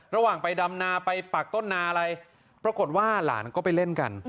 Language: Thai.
ระหว่างไปดำนาไปปักต้นนาอะไรปรากฏว่าหลานก็ไปเล่นกัน